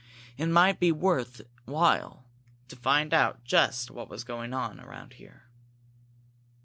It might be worth while to find out just what is going on around here."